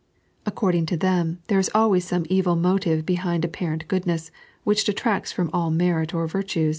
According to them, there is always some evil motive behind apparent goodness, which detracts from all merit or virtue.